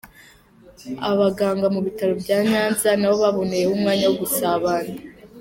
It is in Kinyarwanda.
Abaganga mu bitaro bya Nyanza nabo baboneyeho umwanya wo gusabana.